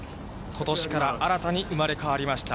ことしから新たに生まれ変わりました、